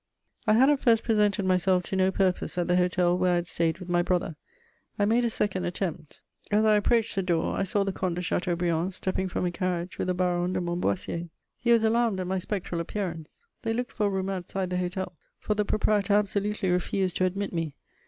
I had at first presented myself to no purpose at the hotel where I had stayed with my brother: I made a second attempt; as I approached the door I saw the Comte de Chateaubriand stepping from a carriage with the Baron de Montboissier. He was alarmed at my spectral appearance. They looked for a room outside the hotel, for the proprietor absolutely refused to admit me.